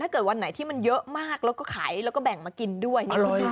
เกิดวันไหนที่มันเยอะมากแล้วก็ขายแล้วก็แบ่งมากินด้วย